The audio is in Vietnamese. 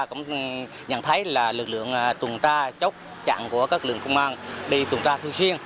tôi thấy lực lượng tuần tra chốc chặn của các lực lượng công an đi tuần tra thường xuyên